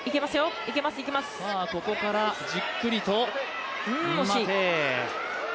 ここからじっくりと。